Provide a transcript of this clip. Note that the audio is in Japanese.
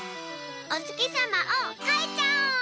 おつきさまをかいちゃおう！